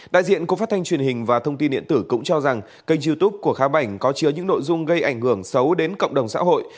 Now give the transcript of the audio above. đại diện cục phát thanh truyền hình và thông tin điện tử cũng cho rằng kênh youtube của khá bảnh có chứa những nội dung gây ảnh hưởng xấu đến cộng đồng xã hội